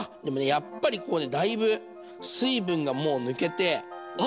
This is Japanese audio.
やっぱりここでだいぶ水分がもう抜けてあ